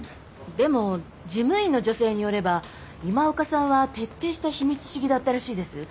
でも事務員の女性によれば今岡さんは徹底した秘密主義だったらしいです。